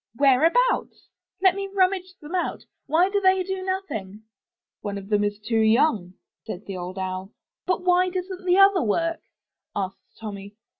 "Whereabouts? Let me rummage them out. Why do they do nothing?" 28 UP ONE PAIR OF STAIRS One of them is too young,'* said the Owl. "But why doesn't the other work?" asked Tommy.